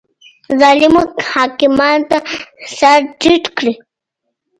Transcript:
ظالمو حاکمانو ته سر ټیټ کړي